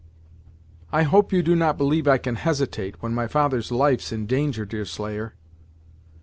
"I hope you do not believe I can hesitate, when my father's life's in danger, Deerslayer!"